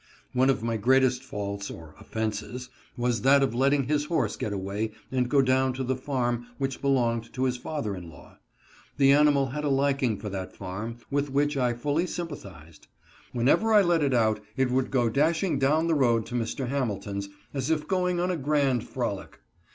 One of my greatest faults, or offences, was that of letting his horse get away and go down to the farm which belonged to his father in law. The ani mal had a liking for that farm with which I fully sympa thized. Whenever I let it out it would go dashing down the road to Mr. Hamilton's, as if going on a grand frolic.